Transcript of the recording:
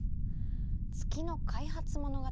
月の開発物語？